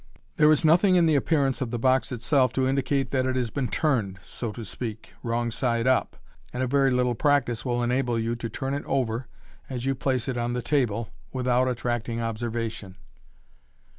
There is nothing in the appearance of the box itself to indicate that it has been turned, so to speak, wrong side up, and a very little practice will enable you to turn it over, as you place it on the table, without attracting observation.